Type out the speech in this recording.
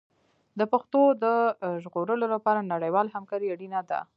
د پښتو د ژغورلو لپاره نړیواله همکاري اړینه ده.